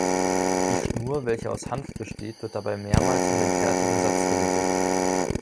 Die Schnur, welche aus Hanf besteht, wird dabei mehrmals um den fertigen Satz gewickelt.